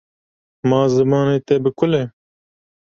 Ma zimanê te bi kul e.